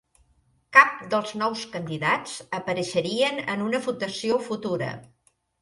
Cap dels nous candidats apareixerien en una votació futura.